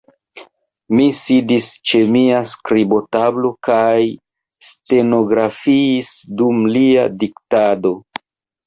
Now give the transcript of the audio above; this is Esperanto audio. Mi sidis ĉe mia skribotablo, kaj stenografiis dum lia diktado.